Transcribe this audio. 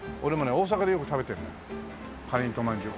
大阪でよく食べてるんだかりんとまんじゅう。